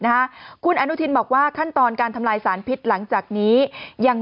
นะฮะคุณอนุทินบอกว่าขั้นตอนการทำลายสารพิษหลังจากนี้ยัง